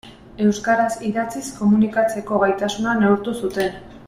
Euskaraz idatziz komunikatzeko gaitasuna neurtu zuten.